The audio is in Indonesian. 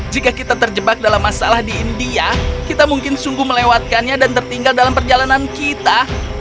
jika kita terjebak dalam masalah di india kita mungkin sungguh melewatkannya dan tertinggal dalam perjalanan kita